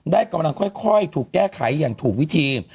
กำลังค่อยถูกแก้ไขอย่างถูกวิธี